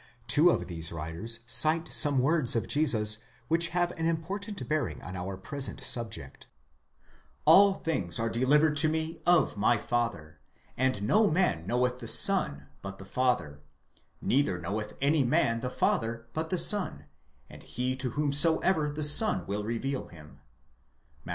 Two of these writers cite some words of Jesus which have an important bearing on our present subject: αὐ things are delivered to me of my Father: and no man knoweth the Son but the Father: neither knoweth any man the Father, but the Son, and he to whomsoever the Son will reveal him, Matt.